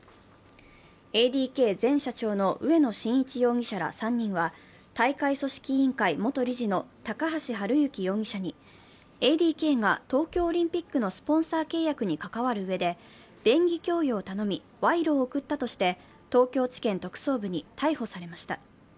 ＡＤＫ前社長の植野伸一容疑者ら３人は、大会組織委員会元理事の高橋治之容疑者にＡＤＫが東京オリンピックのスポンサー契約に関わるうえで便宜供与を頼み、賄賂を贈ったとして、東京地検特捜部に逮捕されました。